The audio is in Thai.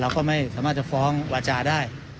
เราก็ไม่สามารถจะฟ้องวัชญาได้